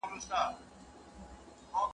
پور پر غاړه، غوا مرداره.